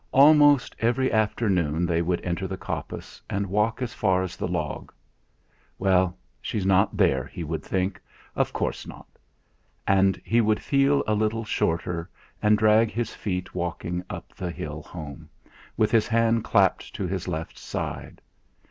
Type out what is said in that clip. Almost every afternoon they would enter the coppice, and walk as far as the log. 'Well, she's not there!' he would think, 'of course not!' And he would feel a little shorter, and drag his feet walking up the hill home, with his hand clapped to his left side.